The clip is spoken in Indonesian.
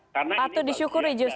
patut disyukuri justru ya